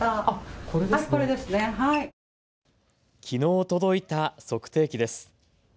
きのう届いた測定器です。